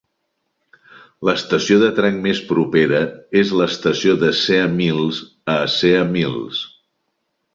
L'estació de tren més propera és l'estació de Sea Mills a Sea Mills.